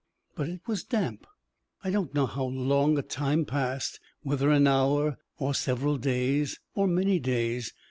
But it was damp. I don't know how long a time passed whether an hour, or several days, or many days.